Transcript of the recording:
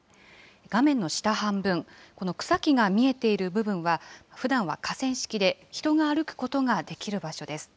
画面の下半分、この草木が見えている部分は、ふだんは河川敷で、人が歩くことができる場所です。